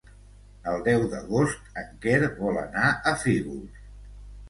El deu d'agost en Quer vol anar a Fígols.